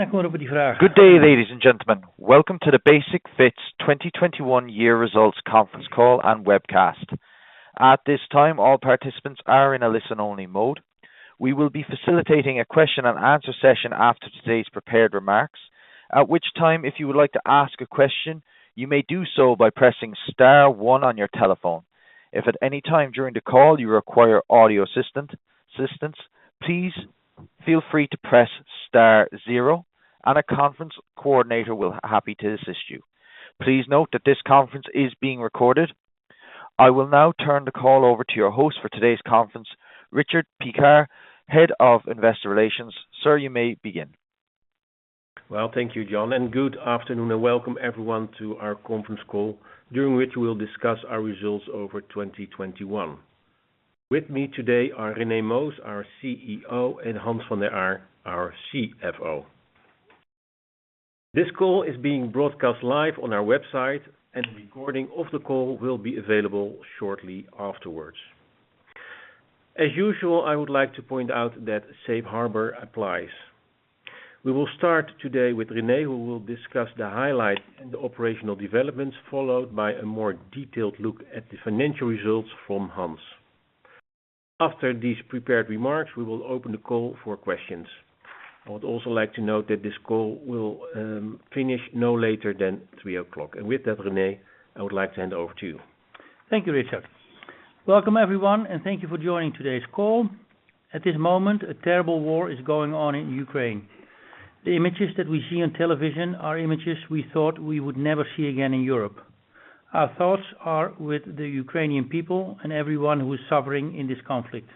Good day, ladies and gentlemen. Welcome to the Basic-Fit’s 2021-Year Year Results Conference Call and Webcast. At this time, all participants are in a listen-only mode. We will be facilitating a question-and-answer session after today's prepared remarks, at which time, if you would like to ask a question, you may do so by pressing star-one on your telephone. If at any time during the call you require audio assistance, please feel free to press star-zero and a conference coordinator will be happy to assist you. Please note that this conference is being recorded. I will now turn the call over to your host for today's conference, Richard Piekaar, Head of Investor Relations. Sir, you may begin. Well, thank you, John, and good afternoon and welcome everyone to our conference call, during which we'll discuss our results over 2021. With me today are René Moos, our CEO, and Hans van der Aar, our CFO. This call is being broadcast live on our website and recording of the call will be available shortly afterwards. As usual, I would like to point out that Safe Harbor applies. We will start today with René, who will discuss the highlights and operational developments, followed by a more detailed look at the financial results from Hans. After these prepared remarks, we will open the call for questions. I would also like to note that this call will finish no later than 3:00 P.M. With that, René, I would like to hand over to you. Thank you, Richard. Welcome, everyone, and thank you for joining today's call. At this moment, a terrible war is going on in Ukraine. The images that we see on television are images we thought we would never see again in Europe. Our thoughts are with the Ukrainian people and everyone who is suffering in this conflict.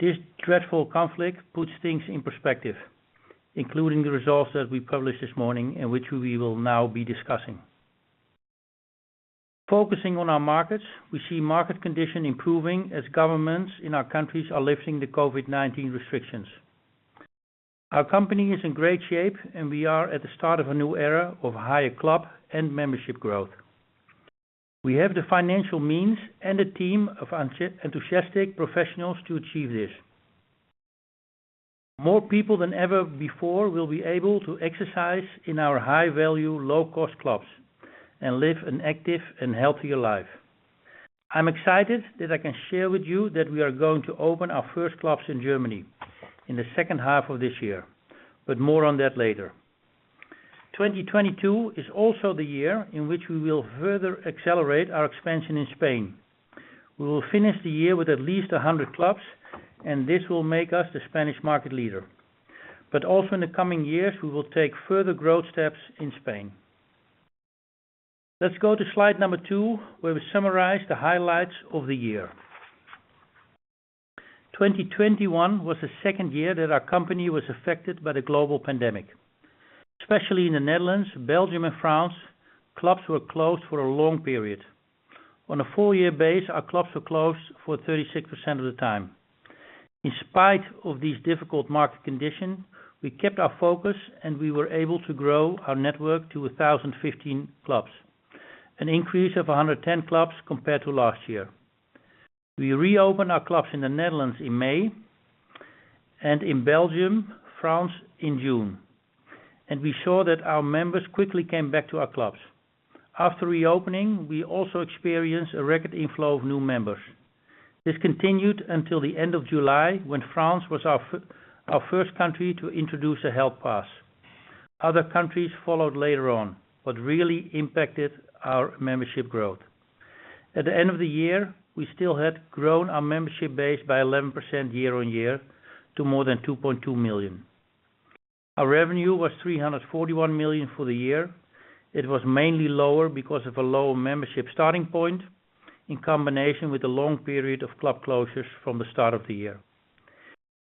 This dreadful conflict puts things in perspective, including the results that we published this morning and which we will now be discussing. Focusing on our markets, we see market conditions improving as governments in our countries are lifting the COVID-19 restrictions. Our company is in great shape, and we are at the start of a new era of higher club and membership growth. We have the financial means and a team of enthusiasts, enthusiastic professionals to achieve this. More people than ever before will be able to exercise in our high value, low-cost clubs and live an active and healthier life. I'm excited that I can share with you that we are going to open our first clubs in Germany in the H2 of this year, but more on that later. 2022 is also the year in which we will further accelerate our expansion in Spain. We will finish the year with at least 100 clubs, and this will make us the Spanish market leader. But also in the coming years, we will take further growth steps in Spain. Let's go to slide number two, where we summarize the highlights of the year. 2021 was the second year that our company was affected by the global pandemic. Especially in the Netherlands, Belgium and France, clubs were closed for a long period. On a full-year basis, our clubs were closed for 36% of the time. In spite of these difficult market conditions, we kept our focus and we were able to grow our network to 1,015 clubs, an increase of 110 clubs compared to last year. We reopened our clubs in the Netherlands in May, and in Belgium and France in June, and we saw that our members quickly came back to our clubs. After reopening, we also experienced a record inflow of new members. This continued until the end of July when France was our first country to introduce a health pass. Other countries followed later on, which really impacted our membership growth. At the end of the year, we still had grown our membership base by 11% year-on-year to more than 2.2 million. Our revenue was 341 million for the year. It was mainly lower because of a lower membership starting point in combination with a long period of club closures from the start of the year.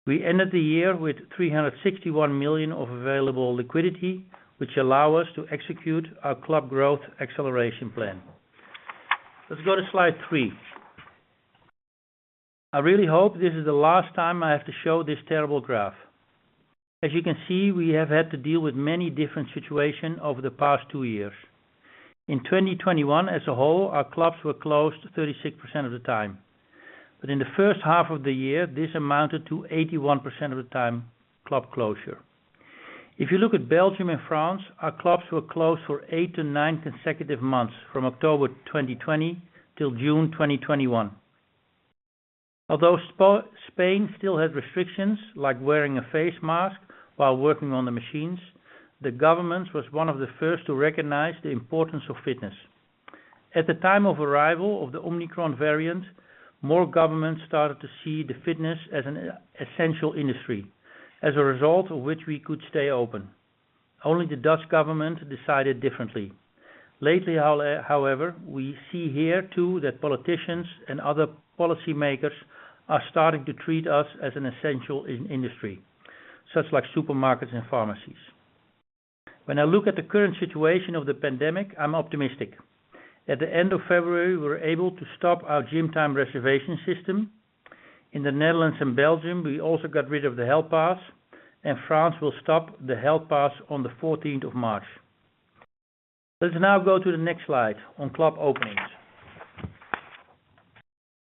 We ended the year with 361 million of available liquidity, which allow us to execute our club growth acceleration plan. Let's go to slide three. I really hope this is the last time I have to show this terrible graph. As you can see, we have had to deal with many different situations over the past two years. In 2021 as a whole, our clubs were closed 36% of the time. In the H1 of the year, this amounted to 81% of the time club closure. If you look at Belgium and France, our clubs were closed for eight-nine consecutive months from October 2020 till June 2021. Although Spain still had restrictions like wearing a face mask while working on the machines, the government was one of the first to recognize the importance of fitness. At the time of arrival of the Omicron variant, more governments started to see the fitness as an essential industry, as a result of which we could stay open. Only the Dutch government decided differently. Lately, however, we see here too that politicians and other policy makers are starting to treat us as an essential industry, such like supermarkets and pharmacies. When I look at the current situation of the pandemic, I'm optimistic. At the end of February, we were able to stop our gym time reservation system. In the Netherlands and Belgium, we also got rid of the health pass, and France will stop the health pass on the 14th of March. Let's now go to the next slide on club openings.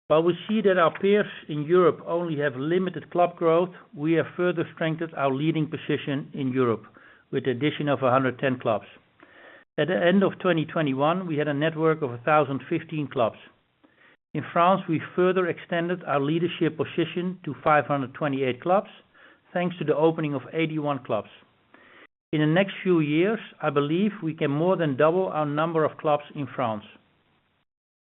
While we see that our peers in Europe only have limited club growth, we have further strengthened our leading position in Europe with the addition of 110 clubs. At the end of 2021, we had a network of 1,015 clubs. In France, we further extended our leadership position to 528 clubs, thanks to the opening of 81 clubs. In the next few years, I believe we can more than double our number of clubs in France.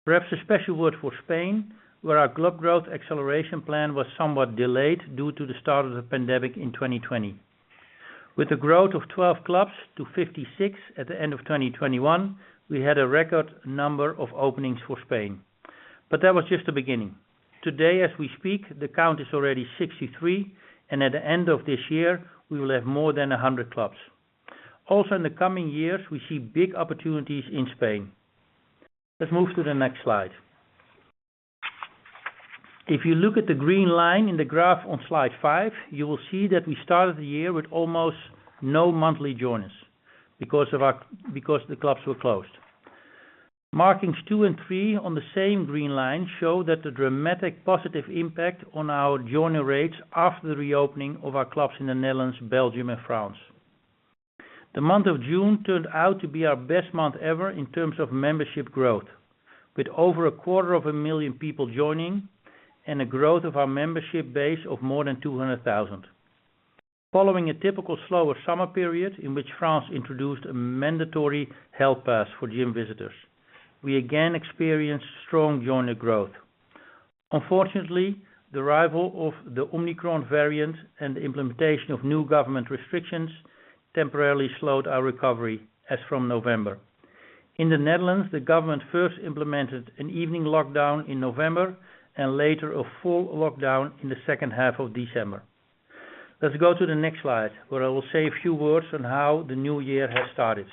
Perhaps a special word for Spain, where our club growth acceleration plan was somewhat delayed due to the start of the pandemic in 2020. With the growth of 12 clubs to 56 at the end of 2021, we had a record number of openings for Spain. That was just the beginning. Today, as we speak, the count is already 63, and at the end of this year we will have more than 100 clubs. Also, in the coming years, we see big opportunities in Spain. Let's move to the next slide. If you look at the green line in the graph on slide 5, you will see that we started the year with almost no monthly joiners because the clubs were closed. Markings two and three on the same green line show that the dramatic positive impact on our joiner rates after the reopening of our clubs in the Netherlands, Belgium and France. The month of June turned out to be our best month ever in terms of membership growth, with over a quarter of a million people joining and a growth of our membership base of more than 200,000. Following a typical slower summer period in which France introduced a mandatory health pass for gym visitors, we again experienced strong joiner growth. Unfortunately, the arrival of the Omicron variant and the implementation of new government restrictions temporarily slowed our recovery as from November. In the Netherlands, the government first implemented an evening lockdown in November and later a full lockdown in the H2 of December. Let's go to the next slide, where I will say a few words on how the new year has started.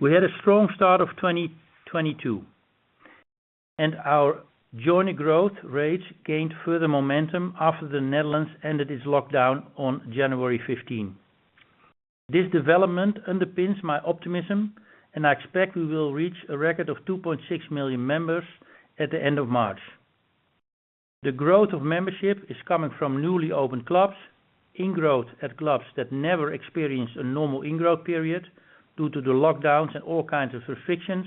We had a strong start of 2022, and our joiner growth rates gained further momentum after the Netherlands ended its lockdown on January 15. This development underpins my optimism, and I expect we will reach a record of 2.6 million members at the end of March. The growth of membership is coming from newly opened clubs, and growth at clubs that never experienced a normal in-growth period due to the lockdowns and all kinds of restrictions,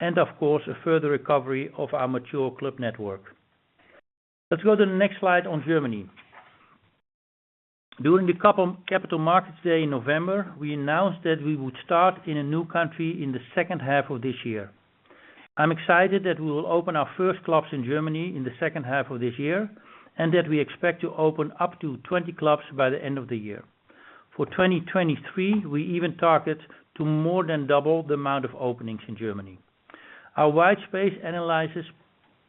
and of course, a further recovery of our mature club network. Let's go to the next slide in Germany. During the Capital Markets Day in November, we announced that we would start in a new country in the H2 of this year. I'm excited that we will open our first clubs in Germany in the H2 of this year, and that we expect to open up to 20 clubs by the end of the year. For 2023, we even target to more than double the amount of openings in Germany. Our white space analysis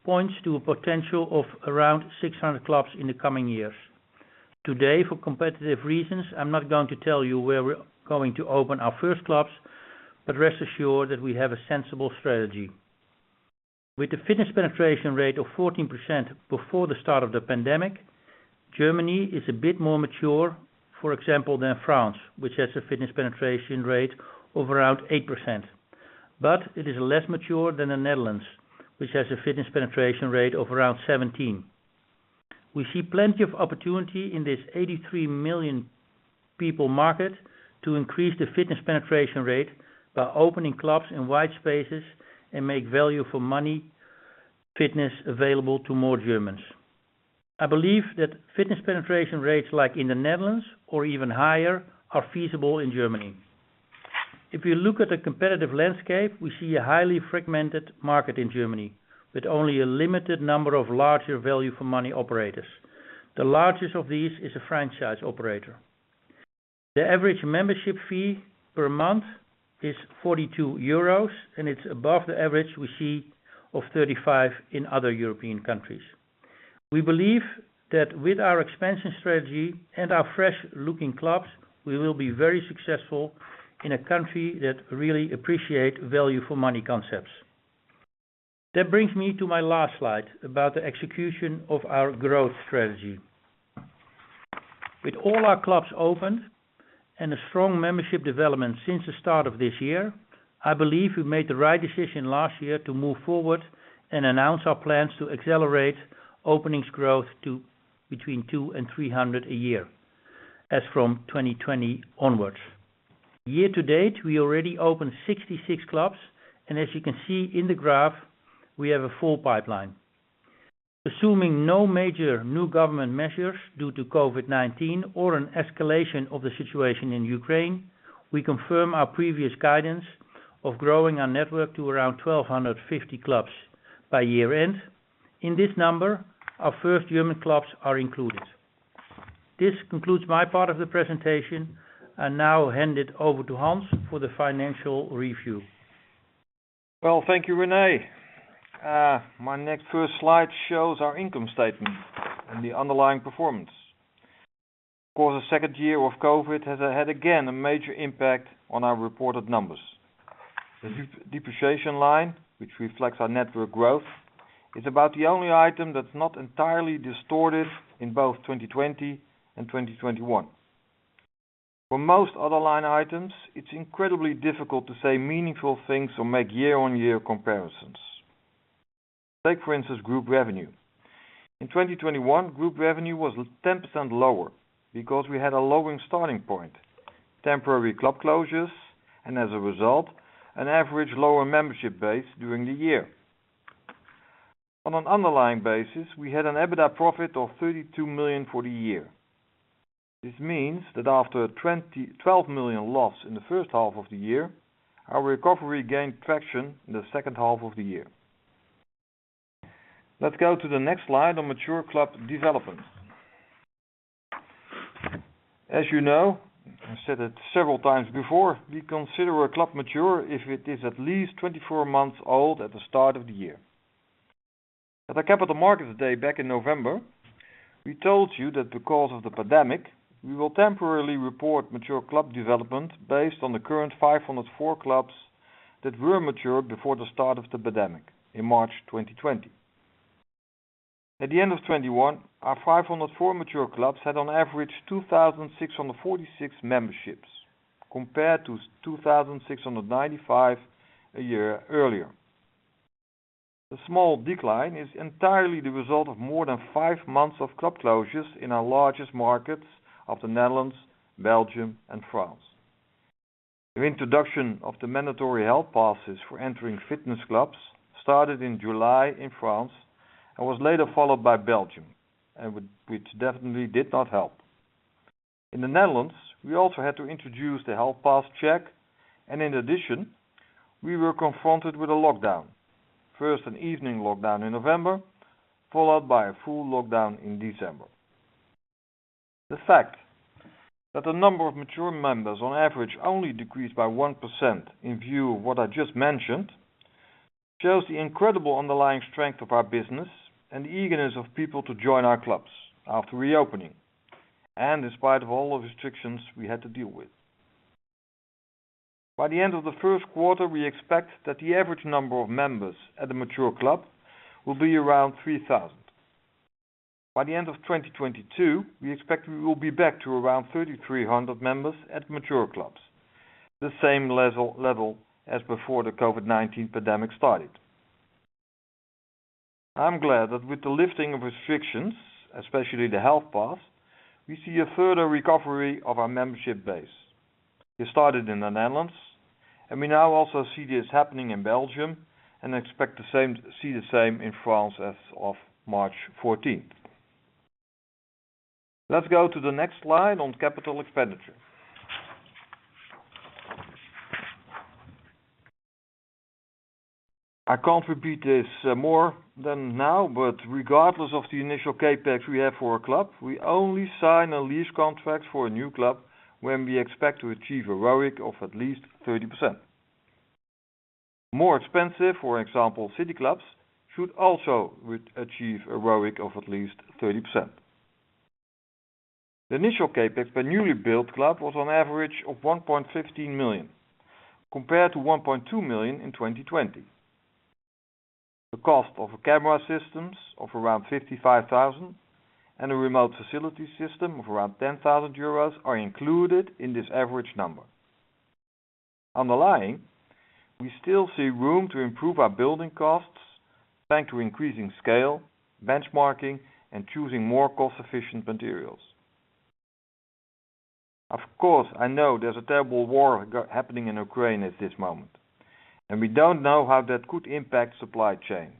points to a potential of around 600 clubs in the coming years. Today, for competitive reasons, I'm not going to tell you where we're going to open our first clubs, but rest assured that we have a sensible strategy. With the fitness penetration rate of 14% before the start of the pandemic, Germany is a bit more mature, for example, than France, which has a fitness penetration rate of around 8%. It is less mature than the Netherlands, which has a fitness penetration rate of around 17%. We see plenty of opportunity in this 83 million people market to increase the fitness penetration rate by opening clubs in wide spaces and make value for money fitness available to more Germans. I believe that fitness penetration rates, like in the Netherlands or even higher, are feasible in Germany. If you look at the competitive landscape, we see a highly fragmented market in Germany with only a limited number of larger value for money operators. The largest of these is a franchise operator. The average membership fee per month is 42 euros, and it's above the average we see of 35 EUR in other European countries. We believe that with our expansion strategy and our fresh looking clubs, we will be very successful in a country that really appreciate value for money concepts. That brings me to my last slide about the execution of our growth strategy. With all our clubs open and a strong membership development since the start of this year, I believe we made the right decision last year to move forward and announce our plans to accelerate openings growth to between 200 and 300 a year as from 2020 onwards. Year to date, we already opened 66 clubs and as you can see in the graph, we have a full pipeline. Assuming no major new government measures due to COVID-19 or an escalation of the situation in Ukraine, we confirm our previous guidance of growing our network to around 1,250 clubs by year-end. In this number, our first German clubs are included. This concludes my part of the presentation. I now hand it over to Hans for the financial review. Thank you, René. My next first slide shows our income statement and the underlying performance. Of course, the second year of COVID has had, again, a major impact on our reported numbers. The depreciation line, which reflects our network growth, is about the only item that's not entirely distorted in both 2020 and 2021. For most other line items, it's incredibly difficult to say meaningful things or make year-on-year comparisons. Take for instance, group revenue. In 2021, group revenue was 10% lower because we had a lower starting point, temporary club closures, and as a result, an average lower membership base during the year. On an underlying basis, we had an EBITDA profit of 32 million for the year. This means that after a 12 million loss in the H1 of the year, our recovery gained traction in the H2 of the year. Let's go to the next slide on mature club development. As you know, I said it several times before, we consider a club mature if it is at least 24 months old at the start of the year. At the Capital Markets Day back in November, we told you that because of the pandemic, we will temporarily report mature club development based on the current 504 clubs that were mature before the start of the pandemic in March 2020. At the end of 2021, our 504 mature clubs had on average 2,646 memberships, compared to 2,695 a year earlier. The small decline is entirely the result of more than five months of club closures in our largest markets of the Netherlands, Belgium and France. The introduction of the mandatory health passes for entering fitness clubs started in July in France and was later followed by Belgium, and which definitely did not help. In the Netherlands, we also had to introduce the health pass check, and in addition, we were confronted with a lockdown. First, an evening lockdown in November, followed by a full lockdown in December. The fact that the number of mature members on average only decreased by 1% in view of what I just mentioned, shows the incredible underlying strength of our business and the eagerness of people to join our clubs after reopening, and in spite of all the restrictions we had to deal with. By the end of the Q1, we expect that the average number of members at a mature club will be around 3,000. By the end of 2022, we expect we will be back to around 3,300 members at mature clubs, the same level as before the COVID-19 pandemic started. I'm glad that with the lifting of restrictions, especially the health pass, we see a further recovery of our membership base. It started in the Netherlands, and we now also see this happening in Belgium and expect the same in France as of March fourteenth. Let's go to the next slide on capital expenditure. I can't repeat this more than now, but regardless of the initial CapEx we have for a club, we only sign a lease contract for a new club when we expect to achieve a ROIC of at least 30%. More expensive, for example, city clubs should also achieve a ROIC of at least 30%. The initial CapEx for a newly built club was on average 1.15 million, compared to 1.2 million in 2020. The cost of camera systems of around 55,000 and a remote facility system of around 10,000 euros are included in this average number. Underlying, we still see room to improve our building costs thanks to increasing scale, benchmarking, and choosing more cost-efficient materials. Of course, I know there's a terrible war happening in Ukraine at this moment, and we don't know how that could impact supply chains.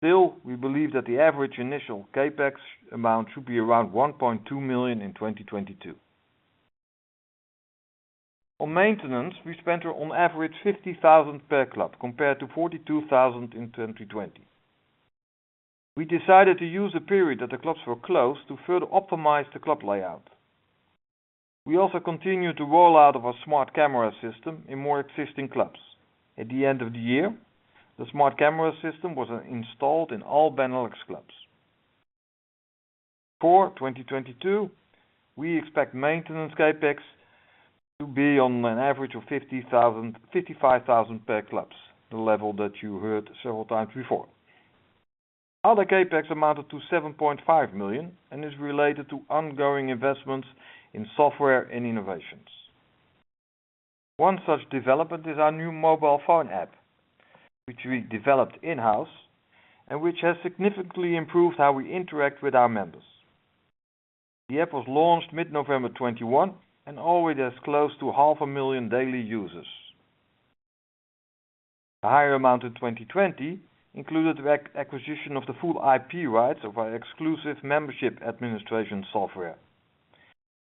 Still, we believe that the average initial CapEx amount should be around 1.2 million in 2022. On maintenance, we spent on average 50,000 per club, compared to 42,000 in 2020. We decided to use the period that the clubs were closed to further optimize the club layout. We also continued the roll out of our smart camera system in more existing clubs. At the end of the year, the smart camera system was installed in all Benelux clubs. For 2022, we expect maintenance CapEx to be on an average of 50,000-55,000 per clubs, the level that you heard several times before. Other CapEx amounted to 7.5 million and is related to ongoing investments in software and innovations. One such development is our new mobile phone app, which we developed in-house and which has significantly improved how we interact with our members. The app was launched mid-November 2021 and already has close to 500,000 daily users. The higher amount in 2020 included the acquisition of the full IP rights of our exclusive membership administration software.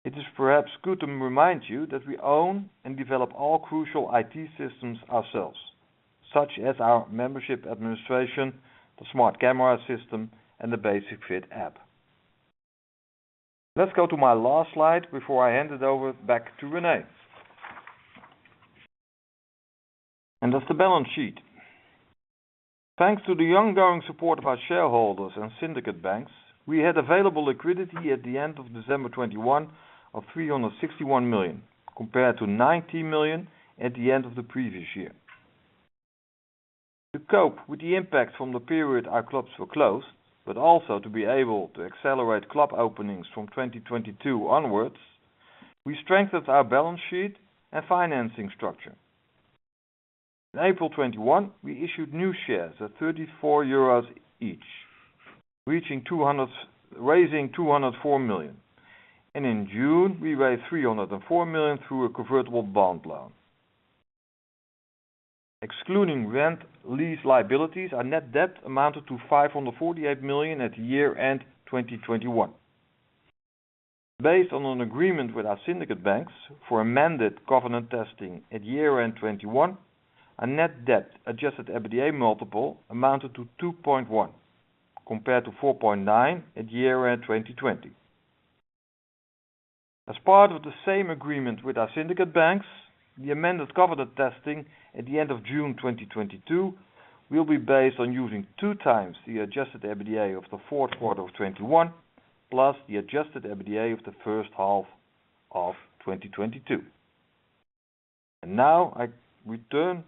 It is perhaps good to remind you that we own and develop all crucial IT systems ourselves, such as our membership administration, the smart camera system, and the Basic-Fit app. Let's go to my last slide before I hand it over back to René. That's the balance sheet. Thanks to the ongoing support of our shareholders and syndicate banks, we had available liquidity at the end of December 2021 of 361 million, compared to 90 million at the end of the previous year. To cope with the impact from the period our clubs were closed, but also to be able to accelerate club openings from 2022 onwards, we strengthened our balance sheet and financing structure. In April 2021, we issued new shares at 34 euros each, raising 204 million. In June, we raised 304 million through a convertible bond loan. Excluding rent lease liabilities, our net debt amounted to 548 million at year-end 2021. Based on an agreement with our syndicate banks for amended covenant testing at year-end 2021, our net debt adjusted EBITDA multiple amounted to 2.1, compared to 4.9 at year-end 2020. As part of the same agreement with our syndicate banks, the amended covenant testing at the end of June 2022 will be based on using 2x the adjusted EBITDA of the Q4 of 2021 plus the adjusted EBITDA of the H1 of 2022. Now I turn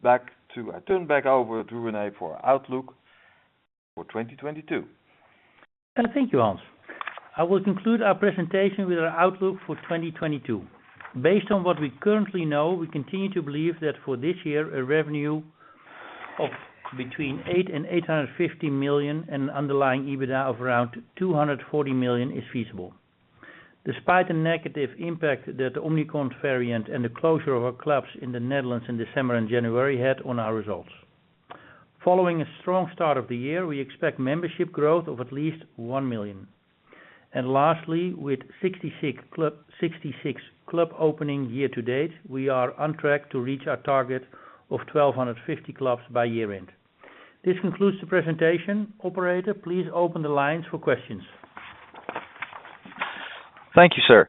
back over to René for our outlook for 2022. Thank you, Hans. I will conclude our presentation with our outlook for 2022. Based on what we currently know, we continue to believe that for this year, a revenue of between 800 million and 850 million and underlying EBITDA of around 240 million is feasible despite the negative impact that Omicron variant and the closure of our clubs in the Netherlands in December and January had on our results. Following a strong start of the year, we expect membership growth of at least 1 million. Lastly, with 66 club openings year to date, we are on track to reach our target of 1,250 clubs by year-end. This concludes the presentation. Operator, please open the lines for questions. Thank you sir,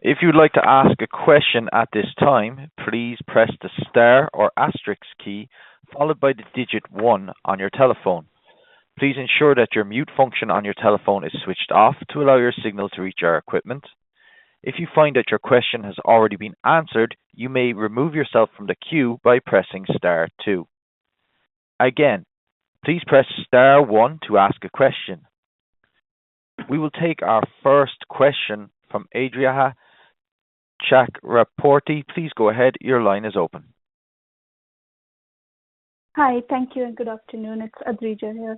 if you like to ask a question at this time, please press the star or asterisks key followed by the digit one on your telephone. Please ensure that your mute function on your telephone is switch off to allow your signal to reach our equipment. If you find that your question has already been answered you may remove yourself from the queue by pressing star-two. Again, please press star one to ask a question. We will take our first question from Natasha Brilliant. Please go ahead. Your line is open. Hi, thank you and good afternoon. It's Natasha Brilliant here.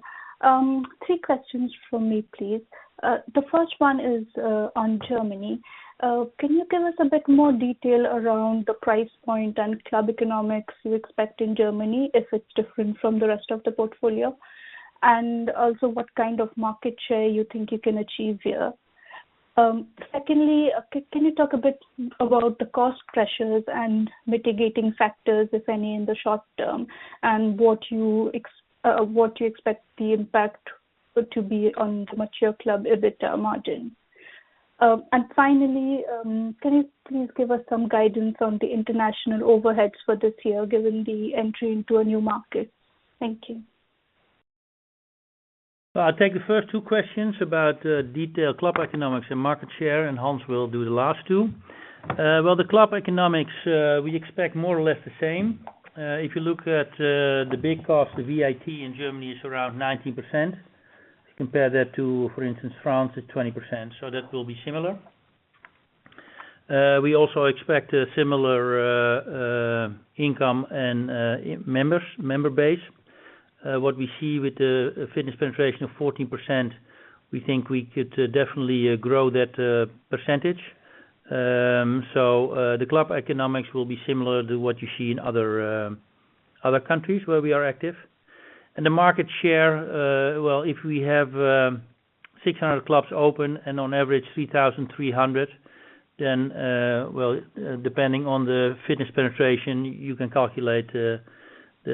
Three questions from me, please. The first one is on Germany. Can you give us a bit more detail around the price point and club economics you expect in Germany if it's different from the rest of the portfolio? And also what kind of market share you think you can achieve here? Secondly, can you talk a bit about the cost pressures and mitigating factors, if any, in the short term, and what you expect the impact to be on the mature club EBITDA margin? Finally, can you please give us some guidance on the international overheads for this year, given the entry into a new market? Thank you. I'll take the first two questions about detailed club economics and market share, and Hans will do the last two. Well, the club economics, we expect more or less the same. If you look at the big cost, the VAT in Germany is around 19%. Compare that to, for instance, France is 20%. That will be similar. We also expect a similar income and member base. What we see with the fitness penetration of 14%, we think we could definitely grow that percentage. The club economics will be similar to what you see in other countries where we are active. The market share, well, if we have 600 clubs open and on average 3,300, then, well, depending on the fitness penetration, you can calculate the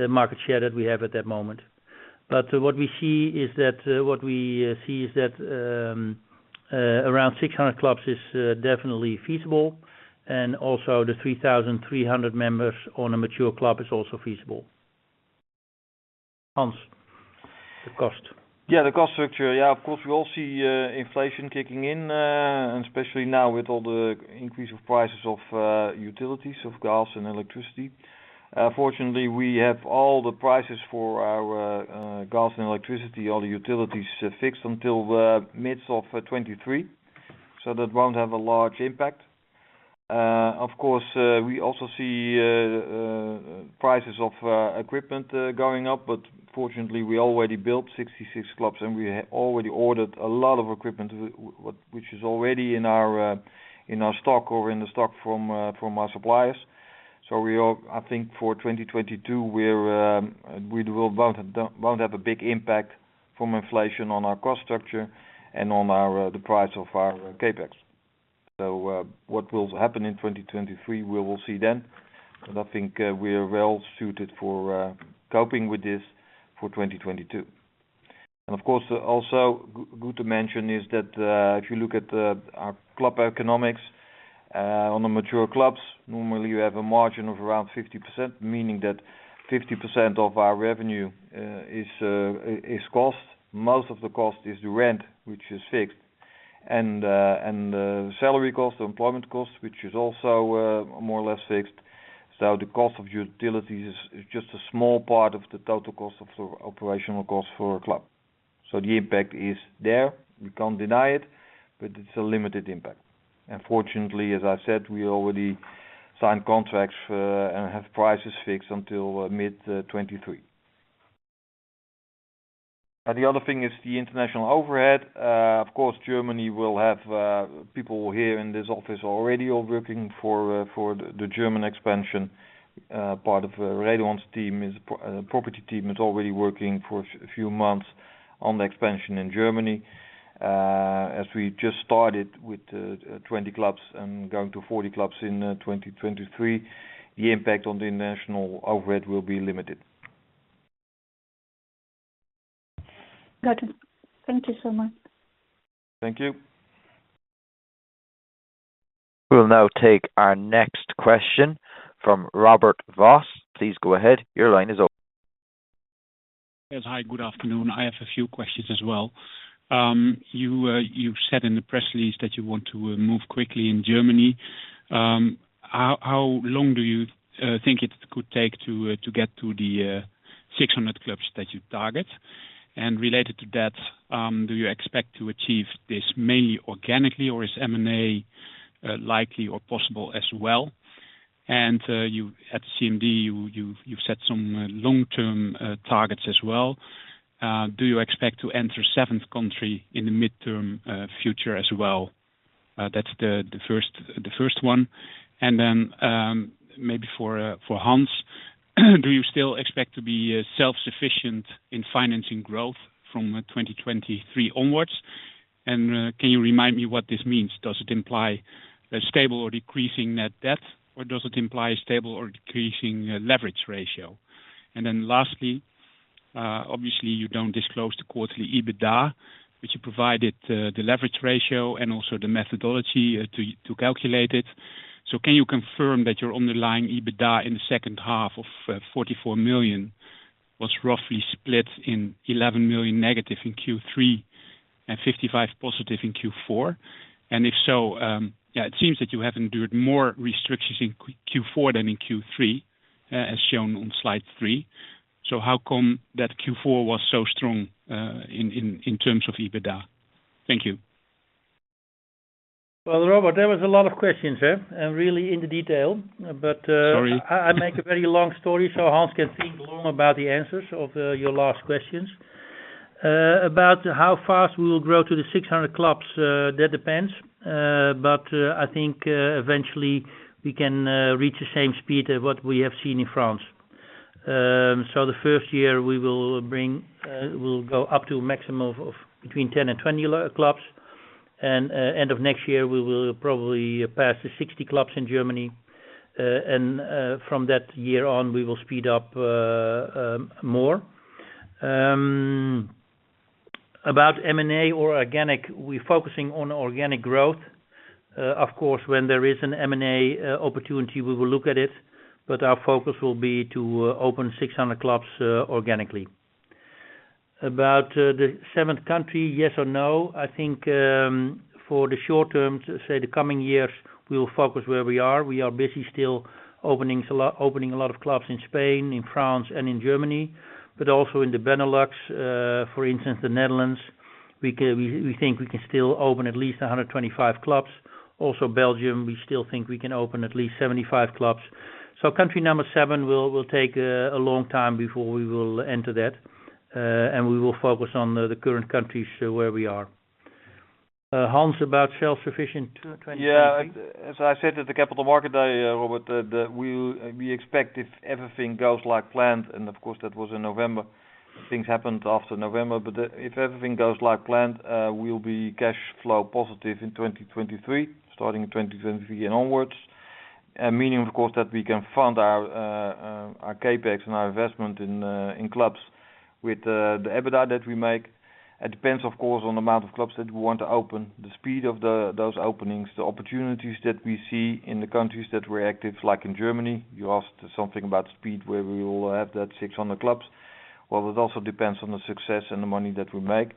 market share that we have at that moment. But what we see is that around 600 clubs is definitely feasible. Also the 3,300 members on a mature club is also feasible. Hans, the cost. Yeah, the cost structure. Yeah, of course, we all see inflation kicking in, and especially now with all the increase of prices of utilities, of gas and electricity. Fortunately, we have all the prices for our gas and electricity, all the utilities fixed until mid-2023. So that won't have a large impact. Of course, we also see prices of equipment going up, but fortunately, we already built 66 clubs and we already ordered a lot of equipment which is already in our stock or in the stock from our suppliers. So I think for 2022, we won't have a big impact from inflation on our cost structure and on the price of our CapEx. What will happen in 2023, we will see then. I think we're well suited for coping with this for 2022. Of course, also good to mention is that if you look at our club economics on the mature clubs, normally you have a margin of around 50%, meaning that 50% of our revenue is cost. Most of the cost is the rent, which is fixed. The salary cost, the employment cost, which is also more or less fixed. The cost of utilities is just a small part of the total cost of the operational cost for a club. The impact is there. We can't deny it, but it's a limited impact. Fortunately, as I said, we already signed contracts and have prices fixed until mid-2023. The other thing is the international overhead. Of course, Germany will have people here in this office already working for the German expansion. Part of Redouane Zekkri's property team is already working for a few months on the expansion in Germany. As we just started with 20 clubs and going to 40 clubs in 2023, the impact on the international overhead will be limited. Got you. Thank you so much. Thank you. We'll now take our next question from Robert Jan Vos. Please go ahead. Your line is open. Yes. Hi, good afternoon. I have a few questions as well. You've said in the press release that you want to move quickly in Germany. How long do you think it could take to get to the 600 clubs that you target? Related to that, do you expect to achieve this mainly organically or is M&A likely or possible as well? At CMD, you've set some long-term targets as well. Do you expect to enter seventh country in the midterm future as well? That's the first one. Then, maybe for Hans, do you still expect to be self-sufficient in financing growth from 2023 onwards? Can you remind me what this means? Does it imply a stable or decreasing net debt, or does it imply a stable or decreasing leverage ratio? Then lastly, obviously you don't disclose the quarterly EBITDA, but you provided the leverage ratio and also the methodology to calculate it. Can you confirm that your underlying EBITDA in the H2 of 44 million was roughly split in -11 million in Q3 and 55 million positive in Q4? If so, it seems that you have endured more restrictions in Q4 than in Q3, as shown on slide three. How come that Q4 was so strong in terms of EBITDA? Thank you. Well, Robert, that was a lot of questions, eh? Really into detail. Sorry. I make a very long story, so Hans can think long about the answers of your last questions. About how fast we will grow to the 600 clubs, that depends. I think eventually we can reach the same speed as what we have seen in France. The first year we'll go up to a maximum of between 10 and 20 clubs. End of next year, we will probably pass the 60 clubs in Germany. From that year on, we will speed up more. About M&A or organic, we're focusing on organic growth. Of course, when there is an M&A opportunity, we will look at it, but our focus will be to open 600 clubs organically. About the seventh country, yes or no, I think, for the short term, say the coming years, we'll focus where we are. We are busy still opening a lot of clubs in Spain, in France, and in Germany, but also in the Benelux, for instance, the Netherlands. We think we can still open at least 125 clubs. Also Belgium, we still think we can open at least 75 clubs. Country number seven will take a long time before we will enter that, and we will focus on the current countries where we are. Hans, about self-sufficient in 2023. Yeah. As I said at the Capital Markets Day, Robert, that we expect if everything goes like planned, and of course that was in November, things happened after November. But if everything goes like planned, we'll be cash flow positive in 2023, starting in 2023 and onwards. Meaning, of course, that we can fund our CapEx and our investment in clubs with the EBITDA that we make. It depends, of course, on the amount of clubs that we want to open, the speed of those openings, the opportunities that we see in the countries that we're active, like in Germany. You asked something about speed, where we will have that 600 clubs. Well, it also depends on the success and the money that we make.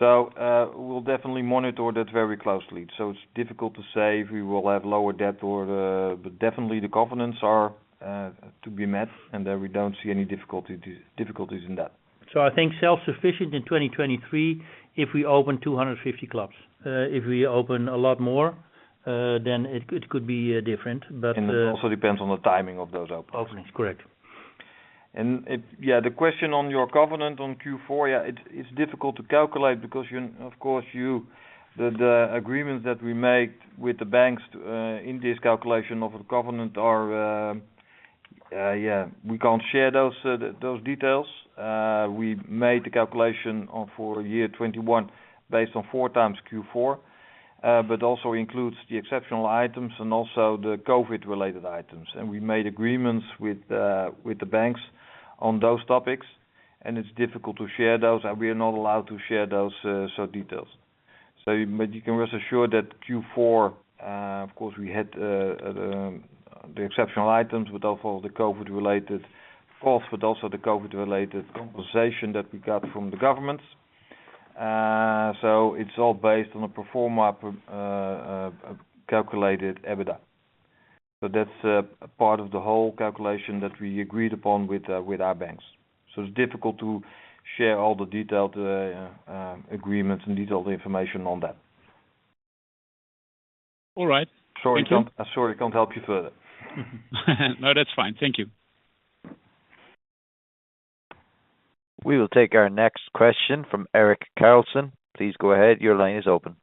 We'll definitely monitor that very closely. It's difficult to say if we will have lower debt or, but definitely the covenants are to be met, and we don't see any difficulty in that. I think self-sufficient in 2023, if we open 250 clubs. If we open a lot more, then it could be different. But, It also depends on the timing of those openings. Openings, correct. The question on your covenant on Q4, it's difficult to calculate because, of course, the agreement that we made with the banks in this calculation of the covenant are, we can't share those details. We made the calculation for year 2021 based on four times Q4, but also includes the exceptional items and also the COVID-19-related items. We made agreements with the banks on those topics, and it's difficult to share those, and we are not allowed to share those details. You can rest assured that Q4, of course, we had the exceptional items, but also the COVID-19-related compensation that we got from the government. It's all based on a pro forma calculated EBITDA. That's part of the whole calculation that we agreed upon with our banks. It's difficult to share all the detailed agreements and detailed information on that. All right. Thank you. Sorry, I can't help you further. No, that's fine. Thank you. We will take our next question from Tim Ehlers. Please go ahead. Your line is open.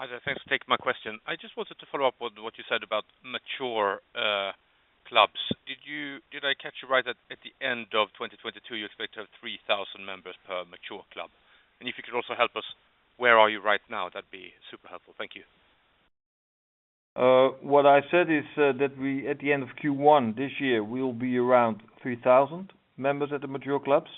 Hi there. Thanks for taking my question. I just wanted to follow up what you said about mature clubs. Did I catch you right, that at the end of 2022, you expect to have 3,000 members per mature club? If you could also help us, where are you right now? That'd be super helpful. Thank you. What I said is that at the end of Q1 this year, we will be around 3,000 members at the mature clubs.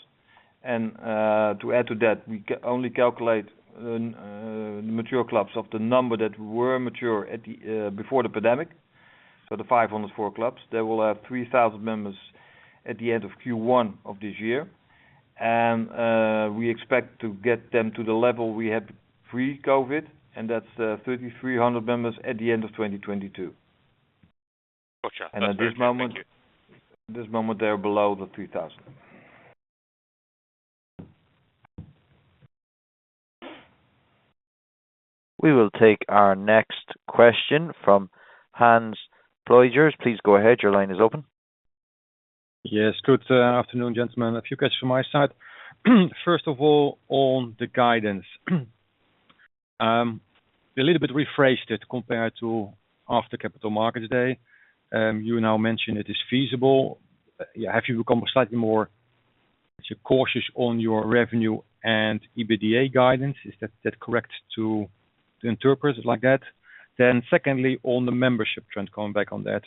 To add to that, we only calculate the mature clubs, the number that were mature before the pandemic. The 504 clubs, they will have 3,000 members at the end of Q1 of this year. We expect to get them to the level we had pre-COVID, and that's 3,300 members at the end of 2022. Got you. At this moment, they are below 3,000. We will take our next question from Hans Pluijgers. Please go ahead. Your line is open. Yes. Good afternoon, gentlemen. A few questions from my side. First of all, on the guidance. A little bit rephrased it compared to after Capital Markets Day. You now mentioned it is feasible. Yeah. Have you become slightly more cautious on your revenue and EBITDA guidance? Is that correct to interpret it like that? Secondly, on the membership trend, going back on that.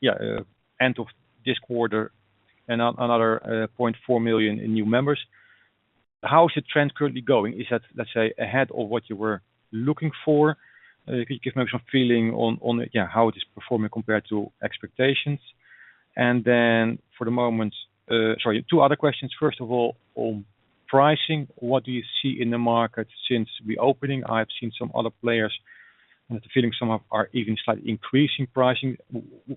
Yeah, end of this quarter and another 0.4 million in new members. How is the trend currently going? Is that let's say, ahead of what you were looking for? If you could give me some feeling on, yeah, how it is performing compared to expectations. Sorry, two other questions. First of all, on pricing. What do you see in the market since reopening? I've seen some other players feeling some of them are even slightly increasing pricing.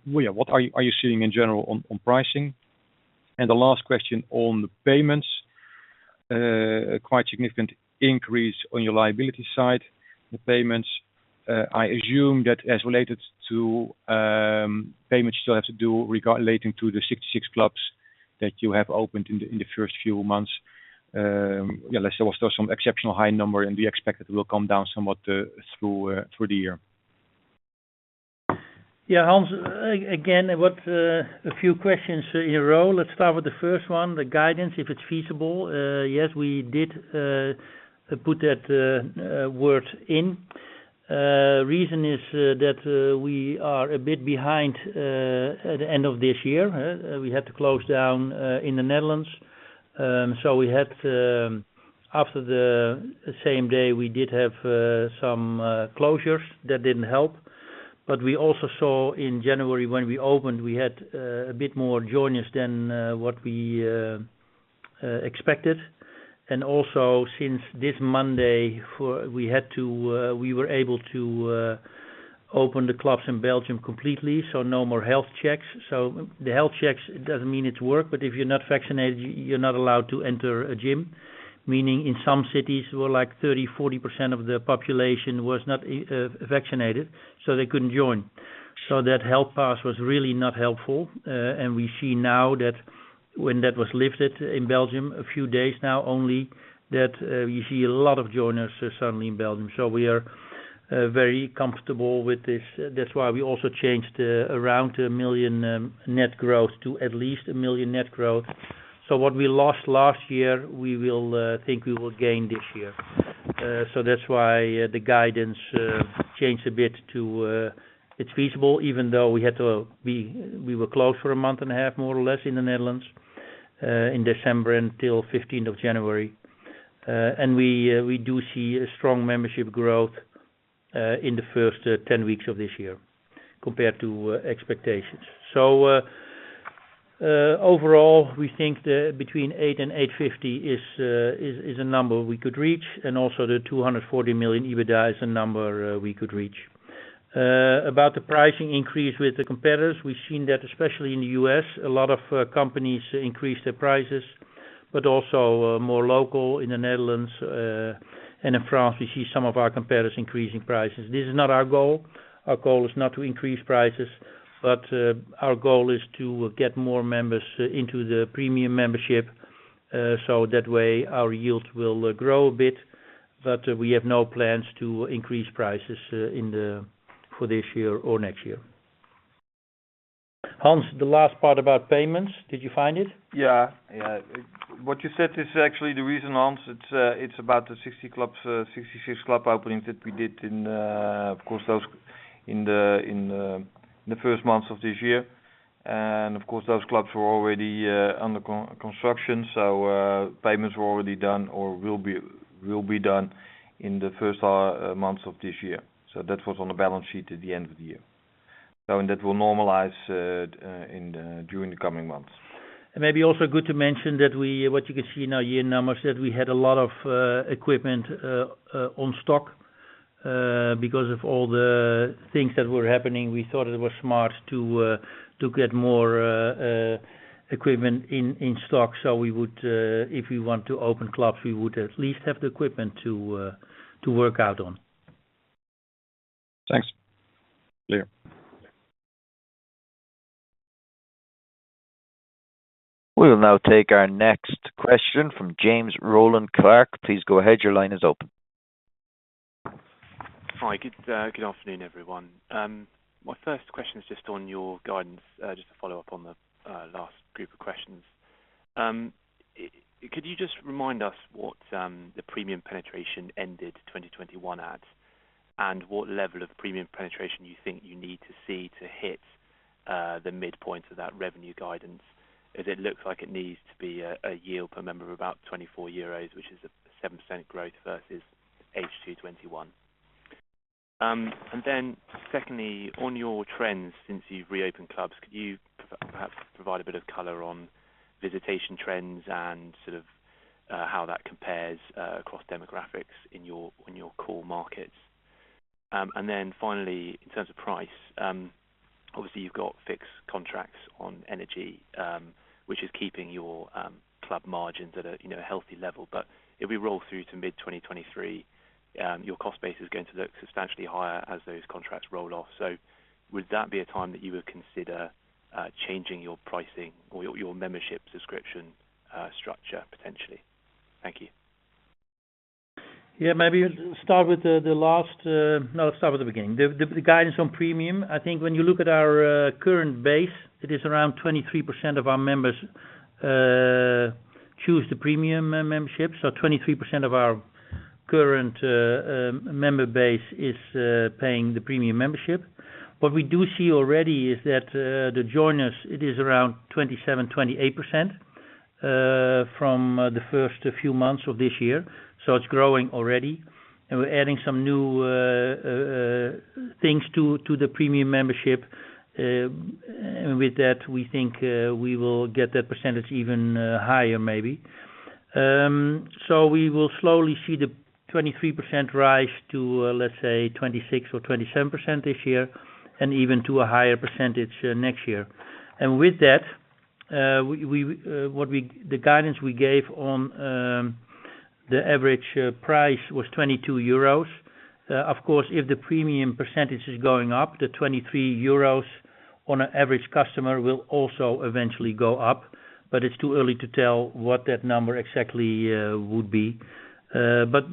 Well, yeah, what are you seeing in general on pricing? The last question on the payments. Quite a significant increase on your liability side, the payments. I assume that is related to payments you still have to do regarding the 66 clubs that you have opened in the first few months. Yeah, let's say it was still some exceptionally high number, and we expect that will come down somewhat through the year. Yeah, Hans, again, a few questions in a row. Let's start with the first one, the guidance, if it's feasible. Yes, we did put that word in. Reason is that we are a bit behind at the end of this year. We had to close down in the Netherlands. So, we had, after the same day, we did have some closures. That didn't help. We also saw in January, when we opened, we had a bit more joiners than what we expected. Also, since this Monday we were able to open the clubs in Belgium completely, so no more health checks. The health checks don't mean it's worse, but if you're not vaccinated, you're not allowed to enter a gym. Meaning in some cities, where, like, 30%-40% of the population was not vaccinated, so they couldn't join. That health pass was really not helpful. We see now that when that was lifted in Belgium, a few days now only, that you see a lot of joiners suddenly in Belgium. We are very comfortable with this. That's why we also changed around 1 million net growths to at least 1 million net growths. What we lost last year, we think we will gain this year. That's why the guidance changed a bit too it's feasible, even though we were closed for a month and a half, more or less, in the Netherlands, in December until 15th of January. We do see a strong membership growth in the first 10 weeks of this year compared to expectations. Overall, we think that between eight and 850 is a number we could reach. Also, the 240 million EBITDA is a number we could reach. About the pricing increase with the competitors, we've seen that especially in the U.S., a lot of companies increase their prices, but also more local in the Netherlands and in France, we see some of our competitors increasing prices. This is not our goal. Our goal is not to increase prices, but our goal is to get more members into the Premium membership, so that way our yields will grow a bit. We have no plans to increase prices in for this year or next year. Hans, the last part about payments, did you find it? Yeah. What you said is actually the reason, Hans. It's about the 60 clubs, 66 club openings that we did in, of course, those in the first months of this year. Of course, those clubs were already under construction, so payments were already done or will be done in the first months of this year. That was on the balance sheet at the end of the year. That will normalize during the coming months. Maybe also good to mention that what you can see in our year numbers, that we had a lot of equipment in stock. Because of all the things that were happening, we thought it was smart to get more equipment in stock. We would if we want to open clubs, we would at least have the equipment to work out on. Thanks. Clear. We'll now take our next question from James Rowland Clark. Please go ahead. Your line is open. Hi. Good afternoon, everyone. My first question is just on your guidance, just to follow up on the last group of questions. Could you just remind us what the premium penetration ended 2021 at, and what level of premium penetration you think you need to see to hit the midpoint of that revenue guidance? As it looks like it needs to be a yield per member of about 24 euros, which is a 7% growth versus H2 2021. And then secondly, on your trends, since you've reopened clubs, could you perhaps provide a bit of color on visitation trends and sort of how that compares across demographics in your core markets? Finally, in terms of price, obviously you've got fixed contracts on energy, which is keeping your club margins at a you know, healthy level. If we roll through to mid-2023, your cost base is going to look substantially higher as those contracts roll off. Would that be a time that you would consider changing your pricing or your membership subscription structure, potentially? Thank you. Let's start with the beginning. The guidance on Premium. I think when you look at our current base, it is around 23% of our members choose the Premium membership. So, 23% of our current member base is paying the Premium membership. What we do see already is that the joiners, it is around 27%-28% from the first few months of this year. So, it's growing already. We're adding some new things to the Premium membership. And with that, we think we will get that percentage even higher, maybe. So, we will slowly see the 23% rise to, let's say 26% or 27% this year, and even to a higher percentage next year. With that, the guidance we gave on the average price was 22 euros. Of course, if the premium percentage is going up, the 23 euros on an average customer will also eventually go up. It's too early to tell what that number exactly would be.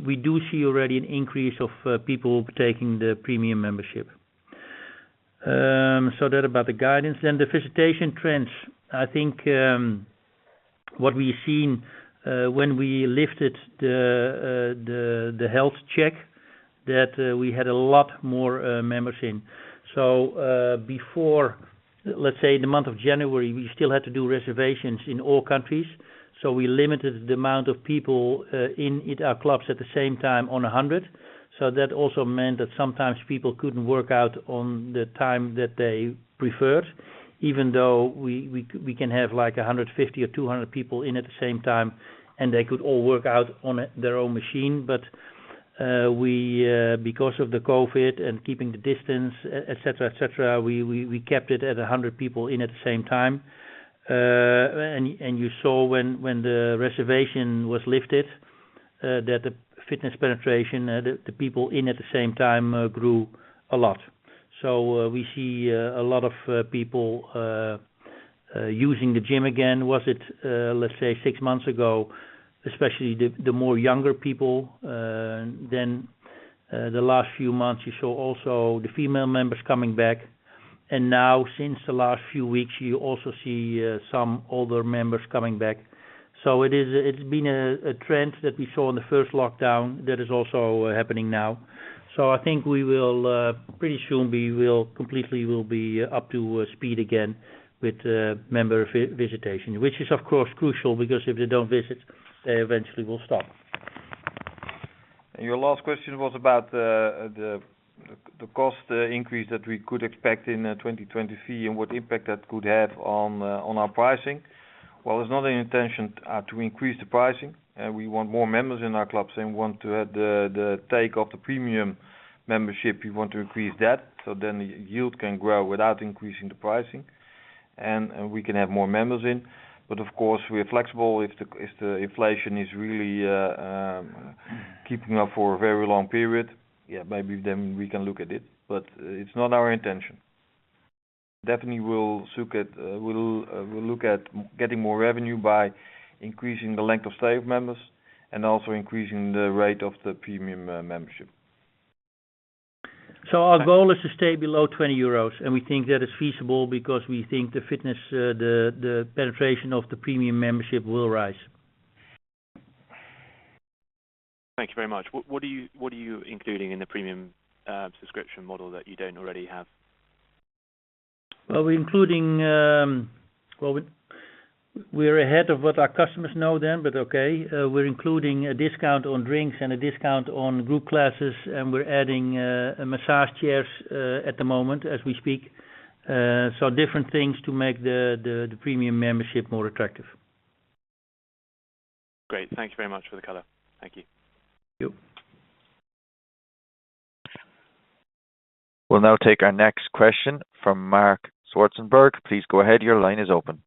We do see already an increase of people taking the Premium membership. That's about the guidance. Visitation trends. I think what we've seen when we lifted the health check, that we had a lot more members in. Before, let's say the month of January, we still had to do reservations in all countries, so we limited the amount of people in our clubs at the same time to 100. That also meant that sometimes people couldn't work out at the time that they preferred, even though we can have like 150 or 200 people in at the same time, and they could all work out on their own machine. Because of the COVID and keeping the distance, et cetera, we kept it at 100 people in at the same time. You saw when the reservation was lifted that the fitness penetration, the people in at the same time, grew a lot. We see a lot of people using the gym again. Let's say six months ago, especially the younger people, than the last few months you saw also the female members coming back. Now since the last few weeks, you also see some older members coming back. It is, it's been a trend that we saw in the first lockdown that is also happening now. I think we will pretty soon be completely up to speed again with member visitation. Which is of course crucial, because if they don't visit, they eventually will stop. Your last question was about the cost increase that we could expect in 2023 and what impact that could have on our pricing. Well, there's not an intention to increase the pricing. We want more members in our clubs and want to have the take of the Premium membership. We want to increase that, so then the yield can grow without increasing the pricing. We can have more members in. But of course, we're flexible if the inflation is really keeping up for a very long period. Yeah, maybe then we can look at it, but it's not our intention. Definitely we'll look at getting more revenue by increasing the length of stay of members and also increasing the rate of the Premium membership. Our goal is to stay below 20 euros, and we think that is feasible because we think the fitness, the penetration of the Premium membership will rise. Thank you very much. What are you including in the Premium subscription model that you don't already have? Well, we're including. We're ahead of what our customers know then, but okay, we're including a discount on drinks and a discount on group classes, and we're adding massage chairs at the moment as we speak. Different things to make the Premium membership more attractive. Great. Thank you very much for the color. Thank you. Thank you. We'll now take our next question from Marc Zwartsenburg. Please go ahead. Your line is open.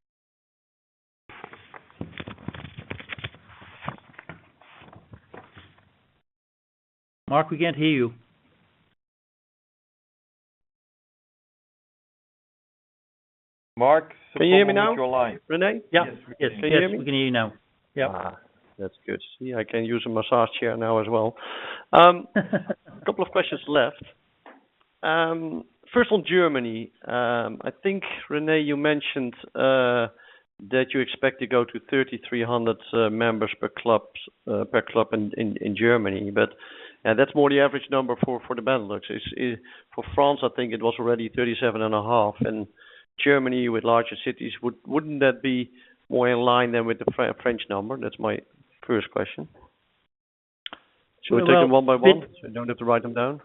Marc Zwartsenburg, we can't hear you. Marc. Can you hear me now? We can hear you live. René? Yeah. Yes. Can you hear me? Yes, we can hear you now. Yep. That's good. See, I can use a massage chair now as well. A couple of questions left. First on Germany, I think, René, you mentioned that you expect to go to 3,300 members per club in Germany. Yeah, that's more the average number for the Benelux. For France, I think it was already 37.5. Germany with larger cities, wouldn't that be more in line with the French number? That's my first question. Should I take them one by one so I don't have to write them down?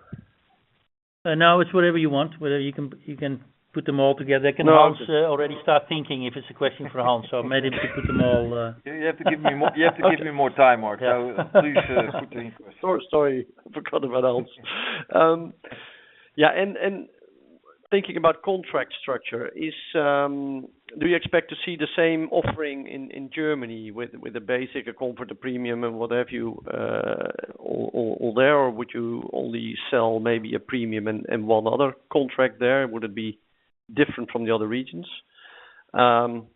Now, it's whatever you want. Whether you can, you can put them all together. Can Hans already start thinking if it's a question for Hans so maybe put them all You have to give me more time, Marc. Please put them in question. Sorry. I forgot about Hans. Thinking about contract structure, do you expect to see the same offering in Germany with a Basic, a Comfort, a Premium and whatever you offer there? Or would you only sell maybe a Premium and one other contract there? Would it be different from the other regions? On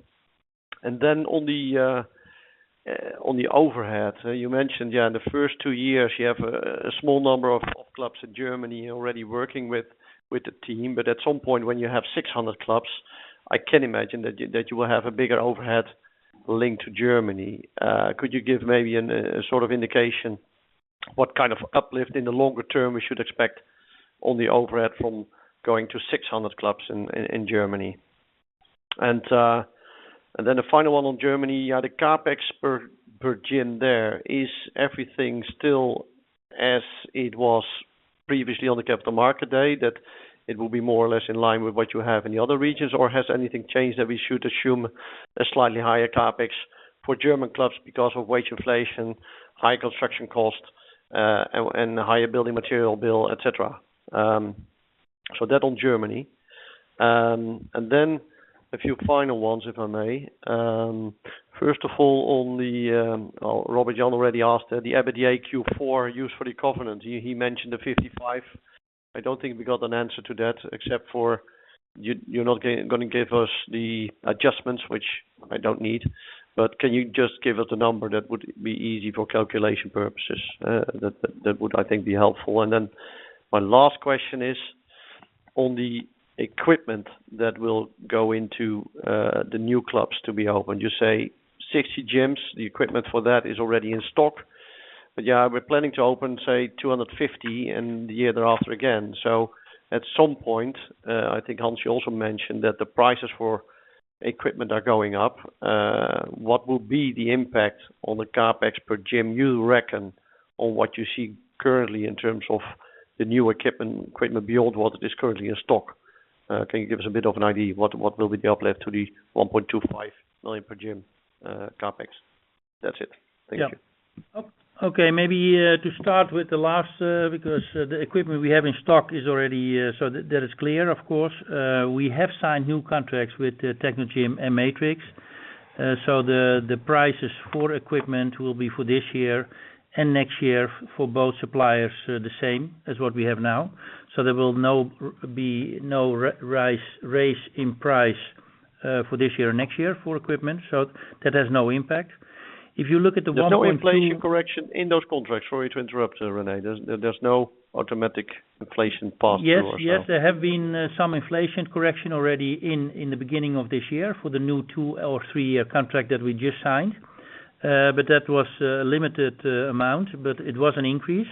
the overheads, you mentioned in the first two years you have a small number of clubs in Germany already working with the team. At some point when you have 600 clubs, I can imagine that you will have a bigger overhead linked to Germany. Could you give maybe an indication what kind of uplift in the longer term we should expect on the overhead from going to 600 clubs in Germany? And then the final one on Germany, the CapEx per gym there. Is everything still as it was previously on the Capital Markets Day, that it will be more or less in line with what you have in the other regions? Or has anything changed that we should assume a slightly higher CapEx for German clubs because of wage inflation, high construction cost, and higher building material bill, et cetera? So that in Germany. Then a few final ones, if I may. First of all, on the, Robert Jan already asked the EBITDA Q4 used for the covenant. He mentioned the 55. I don't think we got an answer to that, except for you're not gonna give us the adjustments, which I don't need. Can you just give us a number that would be easy for calculation purposes? That would, I think, be helpful. Then my last question is on the equipment that will go into the new clubs to be opened. You say 60 gyms, the equipment for that is already in stock. Yeah, we're planning to open, say 250 and the year thereafter again. At some point, I think, Hans, you also mentioned that the prices for equipment are going up. What will be the impact on the CapEx per gym you reckon on what you see currently in terms of the new equipment build, what is currently in stock? Can you give us a bit of an idea what will be the uplift to the 1.25 million per gym CapEx? That's it. Thank you. Yeah. Okay. Maybe to start with the last, because the equipment we have in stock is already so that is clear, of course. We have signed new contracts with Technogym and Matrix. The prices for equipment will be for this year and next year for both suppliers the same as what we have now. There will be no rise in price for this year or next year for equipment. That has no impact. If you look at the 1.25- There's no inflation correction in those contracts. Sorry to interrupt, René. There's no automatic inflation pass through or so. Yes. Yes. There has been some inflation correction already in the beginning of this year for the new two- or three-year contract that we just signed. That was a limited amount, but it was an increase.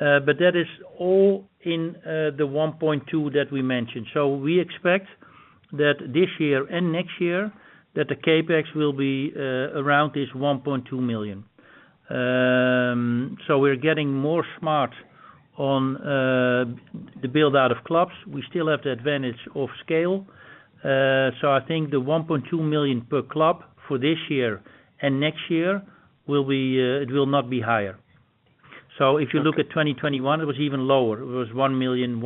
That is all in the 1.2 that we mentioned. We expect that this year and next year that the CapEx will be around this 1.2 million. We're getting more smart on the build-out of clubs. We still have the advantage of scale. I think the 1.2 million per club for this year and next year will be. It will not be higher. If you look at 2021, it was even lower. It was 1.15 million.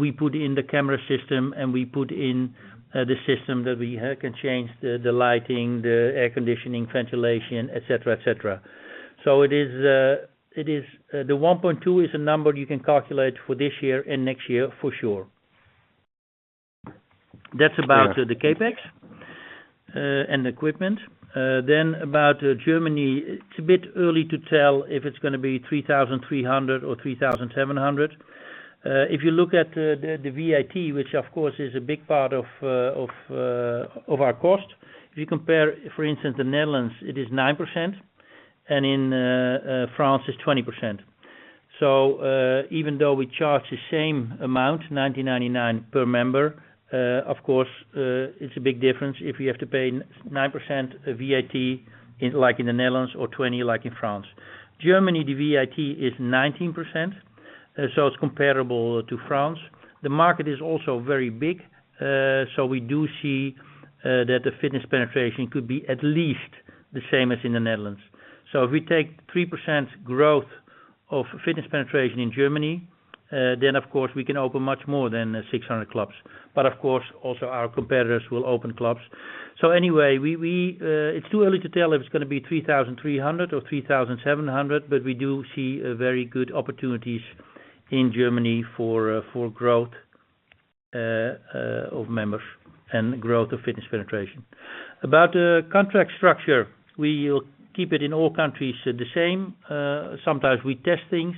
We put in the camera system and the system that we can change the lighting, the air conditioning, ventilation, et cetera, et cetera. It is. The 1.2 is a number you can calculate for this year and next year for sure. That's about the CapEx and equipment. About Germany, it's a bit early to tell if it's gonna be 3,300 or 3,700. If you look at the VAT, which of course is a big part of our cost. If you compare, for instance, the Netherlands, it is 9%, and in France, it's 20%. Even though we charge the same amount, 9.99 per member, of course, it's a big difference if you have to pay 9% VAT in, like in the Netherlands or 20%, like in France. Germany, the VAT is 19%, so it's comparable to France. The market is also very big, so we do see that the fitness penetration could be at least the same as in the Netherlands. If we take 3% growth of fitness penetration in Germany, then of course, we can open much more than 600 clubs. But of course, also our competitors will open clubs. Anyway, it's too early to tell if it's gonna be 3,300 or 3,700, but we do see a very good opportunities in Germany for growth of members and growth of fitness penetration. About contract structure, we will keep it in all countries the same. Sometimes we test things,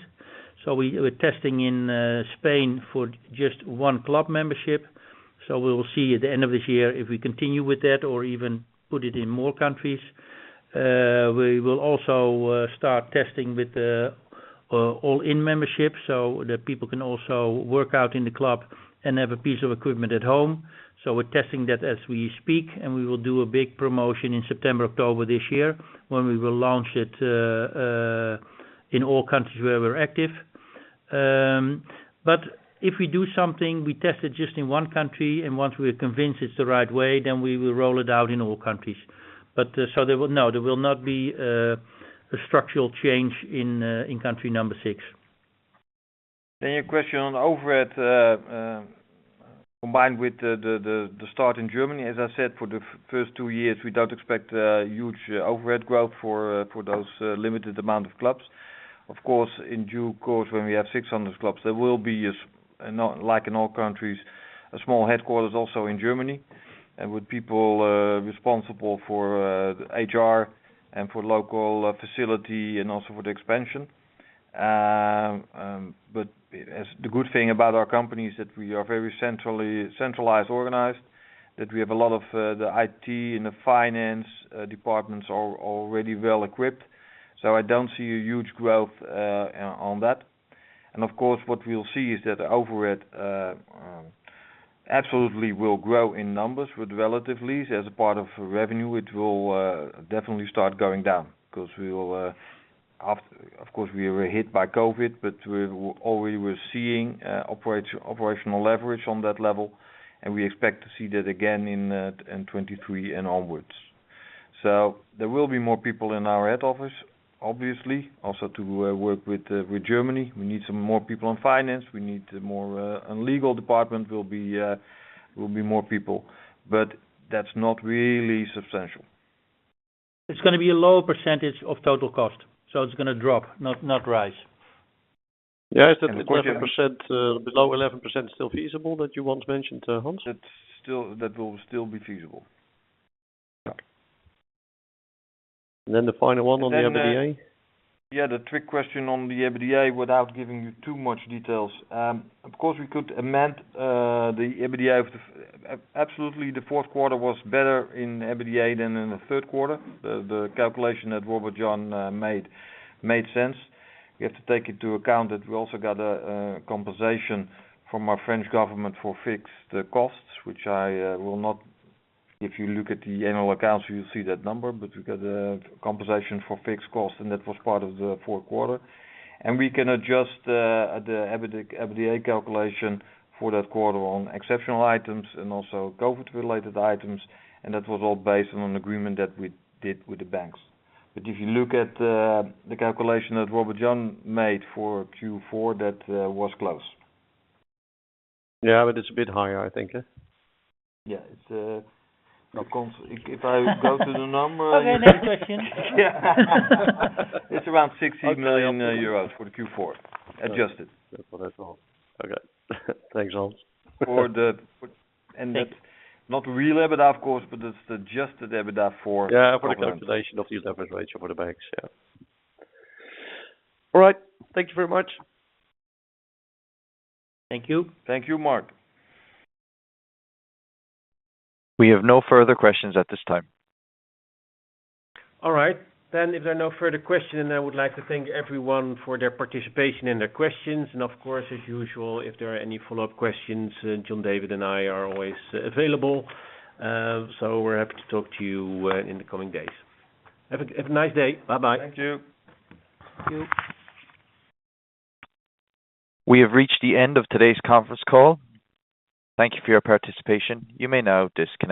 we're testing in Spain for just one club membership. We'll see at the end of this year if we continue with that or even put it in more countries. We will also start testing with the all-in membership so that people can also work out in the club and have a piece of equipment at home. We're testing that as we speak, and we will do a big promotion in September, October this year when we will launch it in all countries where we're active. If we do something, we test it just in one country, and once we are convinced it's the right way, then we will roll it out in all countries. There will not be a structural change in country number six. Your question on overhead, combined with the start in Germany. As I said, for the first two years, we don't expect huge overhead growth for those limited amount of clubs. Of course, in due course, when we have 600 clubs, there will be, like in all countries, a small headquarters also in Germany, and with people responsible for the HR and for local facility and also for the expansion. The good thing about our company is that we are very centralized organized, that we have a lot of the IT and the finance departments are already well-equipped. I don't see a huge growth on that. Of course, what we'll see is that overhead absolutely will grow in numbers with relatively as a part of revenue, which will definitely start going down 'cause we will, of course, we were hit by COVID, but we're already seeing operational leverage on that level, and we expect to see that again in 2023 and onwards. There will be more people in our head office, obviously, also to work with Germany. We need some more people in finance. We need more, and legal department will be more people. That's not really substantial. It's gonna be a lower percentage of total cost. It's gonna drop, not rise. Yes. That 11%, below 11% still feasible that you once mentioned to Hans? That will still be feasible. Yeah. The final one on the EBITDA. Yeah. The trick question on the EBITDA without giving you too much details. Of course, we could amend the EBITDA. Absolutely, the Q4 was better in EBITDA than in the Q3. The calculation that Robert Jan made sense. You have to take into account that we also got a compensation from our French government for fixed costs. If you look at the annual accounts, you'll see that number. We got a compensation for fixed costs, and that was part of the Q4. We can adjust the EBITDA calculation for that quarter on exceptional items and also COVID-related items, and that was all based on an agreement that we did with the banks. If you look at the calculation that Robert Jan made for Q4, that was close. Yeah, it's a bit higher, I think. Yeah. It's if I go to the number Okay, next question. It's around 60 million euros for the Q4, adjusted. That's all. Okay. Thanks, Hans. For the- Thanks. That's not real EBITDA, of course, but it's just the EBITDA for- Yeah, for the calculation of the leverage ratio for the banks. Yeah. All right. Thank you very much. Thank you. Thank you, Mark. We have no further questions at this time. All right. If there are no further questions, I would like to thank everyone for their participation and their questions. Of course, as usual, if there are any follow-up questions, John, David, and I are always available. We're happy to talk to you in the coming days. Have a nice day. Bye-bye. Thank you. Thank you. We have reached the end of today's conference call. Thank you for your participation. You may now disconnect.